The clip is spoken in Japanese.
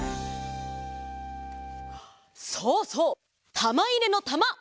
そうそう！たまいれのたま！